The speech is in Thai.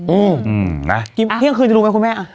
อืมนะเที่ยงคืนจะรู้ไหมคุณแม่